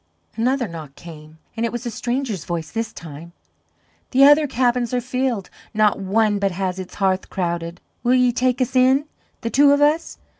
Another knock came, and it was a stranger's voice this time: "The other cabins are filled; not one but has its hearth crowded; will ye take us in the two of us?